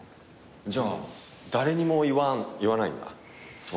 じゃあ誰にも言わないんだ。